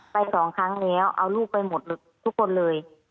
สองครั้งแล้วเอาลูกไปหมดทุกคนเลย